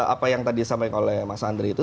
apa yang tadi disampaikan oleh mas andri itu